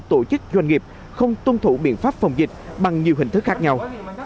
tổ chức doanh nghiệp không tuân thủ biện pháp phòng dịch bằng nhiều hình thức khác nhau